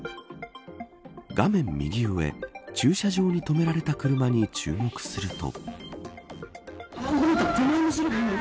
画面右上駐車場に止められた車に注目すると。